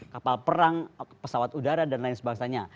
kapal perang pesawat udara dan lain sebagainya